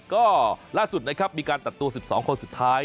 ก็ล่าสุดนะครับมีการตัดตัว๑๒คนสุดท้าย